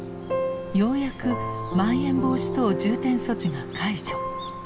ようやくまん延防止等重点措置が解除。